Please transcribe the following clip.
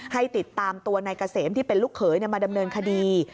ให้ติดตามตัวนายเกษมที่เป็นลูกเขยมาดำเนินคดี